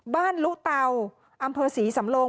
บ้านลุเต่าอำเภอศรีสำรงค์